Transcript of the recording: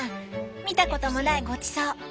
見たこともないごちそう。